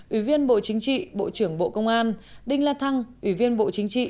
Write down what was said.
ủy viên bộ chính trị bộ trưởng bộ công an đinh la thăng ủy viên bộ chính trị